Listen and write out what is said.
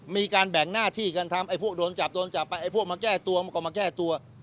มีการแบ่งหน้าที่กันทำไอ้พวกโดนจับโดนจับไปไอ้พวกมาแก้ตัวมันก็มาแก้ตัว